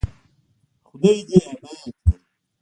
خداى دې يې اباد لري.